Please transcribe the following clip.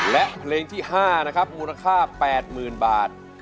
และเพลงที่๕นะครับมูลค่า๘๐๐๐บาท